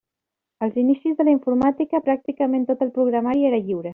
Als inicis de la informàtica, pràcticament tot el programari era lliure.